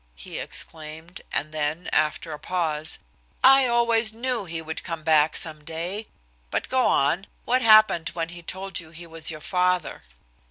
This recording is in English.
he exclaimed, and then, after a pause; "I always knew he would come back some day. But go on. What happened when he told you he was your father?"